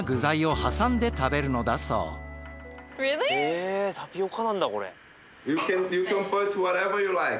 へえタピオカなんだこれ。